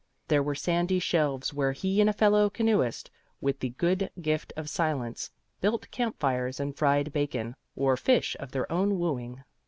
There were sandy shelves where he and a fellow canoeist with the good gift of silence built campfires and fried bacon, or fish of their own wooing.